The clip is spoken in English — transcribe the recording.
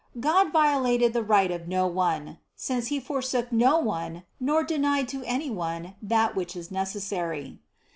God violated the right of no one, since He forsook no one nor denied to any one that which is necessary.